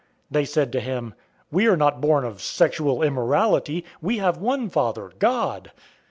They said to him, "We were not born of sexual immorality. We have one Father, God."